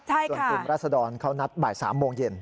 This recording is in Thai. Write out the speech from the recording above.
ใช่ค่ะใช่ค่ะจนกลุ่มราศดรเขานัดบ่าย๓โมงเย็น